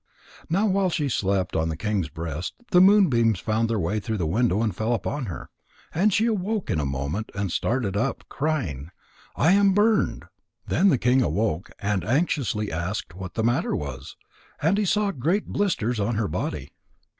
Now while she slept on the king's breast, the moonbeams found their way through the window and fell upon her. And she awoke in a moment, and started up, crying "I am burned!" Then the king awoke and anxiously asked what the matter was, and he saw great blisters on her body.